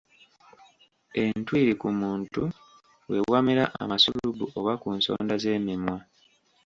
Entwiri ku muntu we wamera amasulubu oba ku nsonda z’emimwa.